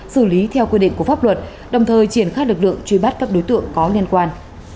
xử lý theo quy định của pháp luật đồng thời triển khai lực lượng truy bắt các đối tượng có liên quan